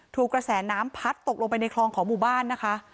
กระแสน้ำพัดตกลงไปในคลองของหมู่บ้านนะคะ